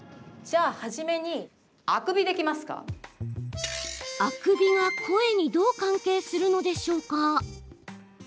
あくびが声にどう関係するのでしょうか？